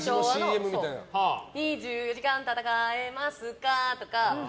２４時間戦えますかとか。